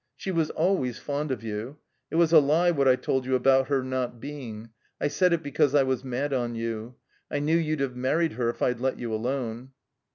"She was always fond of you. It was a lie what I told you about her not being. I said it because I was mad on you. I knew you'd have married her if I'd let you alone."